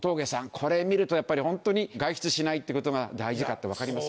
これ見るとやっぱりホントに外出しないってことが大事かって分かります。